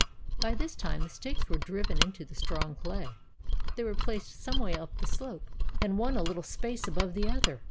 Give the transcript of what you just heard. By this time the stakes were driven into the strong clay. They were placed some way up the slope, and one a little space above the other.